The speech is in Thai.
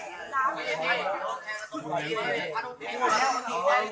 กลับมาเช็ดตาของมอง